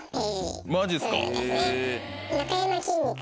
マジですか？